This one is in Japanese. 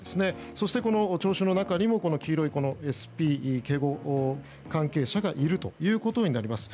そして、この聴衆の中にも黄色いＳＰ、警護関係者がいるということになります。